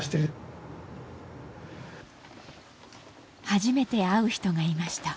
初めて会う人がいました。